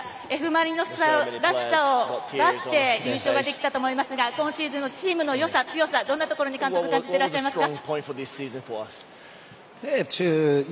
Ｆ・マリノスらしさを出して優勝ができたと思いますが今シーズンのチームの良さ、強さをどんなところに感じてらっしゃいますか？